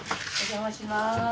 お邪魔します。